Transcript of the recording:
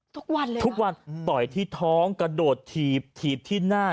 ทุกวันเลยทุกวันต่อยที่ท้องกระโดดถีบถีบที่หน้า